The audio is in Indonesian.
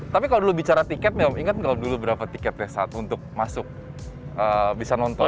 tapi kalau dulu bicara tiket ingat kalau dulu berapa tiketnya saat untuk masuk bisa nonton